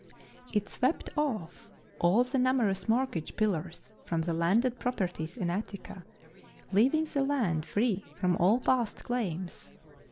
It swept off all the numerous mortgage pillars from the landed properties in Attica, leaving the land free from all past claims.